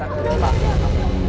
ayo kita kejar